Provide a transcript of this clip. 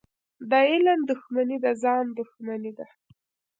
د علم دښمني د ځان دښمني ده.